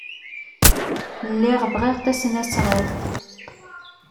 Lliɣ bɣiɣ tasnasɣalt.